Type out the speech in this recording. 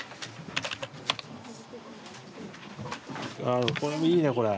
ああこれもいいねこれ。